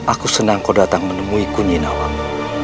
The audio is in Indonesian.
aku senang kau datang menemuiku nyinawang